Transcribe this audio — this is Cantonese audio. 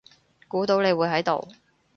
估到你會喺度